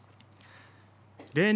例年